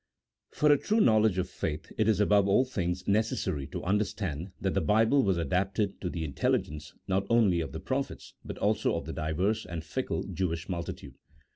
TJ*OR a true knowledge of faith it is above all things ■■ necessary to understand that the Bible was adapted to the intelligence, not only of the prophets, but also of the diverse and fickle Jewish multitude.